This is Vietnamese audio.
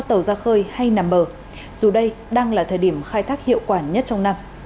tàu ra khơi hay nằm bờ dù đây đang là thời điểm khai thác hiệu quả nhất trong năm